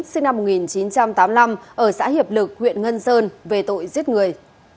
sinh năm một nghìn chín trăm tám mươi năm ở xã hiệp lực huyện ngân sơn về tội giết người